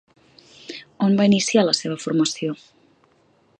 On va iniciar la seva formació?